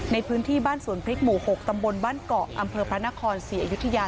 ในพื้นที่บ้านสวนพริกหมู่๖ตำบลบ้านเกาะอำเภอพระนครศรีอยุธยา